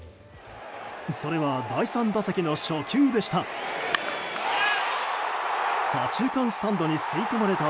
それは第３打席の初球でした。